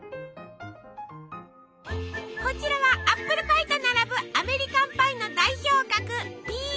こちらはアップルパイと並ぶアメリカンパイの代表格